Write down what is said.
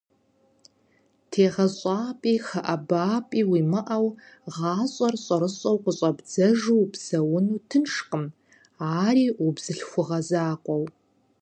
ТегъэщӀапӀи хэӀэбапӀи уимыӀэу, гъащӀэр щӀэрыщӀэу къыщӀэбдзэу упсэуну тыншкъым, ари убзылъхугъэ закъуэу.